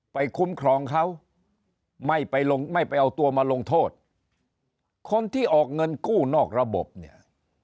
คุ้มครองเขาไม่ไปลงไม่ไปเอาตัวมาลงโทษคนที่ออกเงินกู้นอกระบบเนี่ย